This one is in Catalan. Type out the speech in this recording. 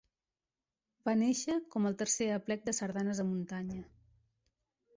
Va néixer com el tercer Aplec de Sardanes a Muntanya.